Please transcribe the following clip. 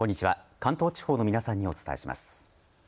関東地方の皆さんにお伝えします。